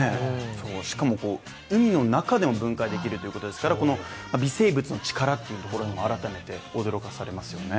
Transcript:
しかも海の中でも分解できるということですから微生物の力というところにも改めて驚かされますよね。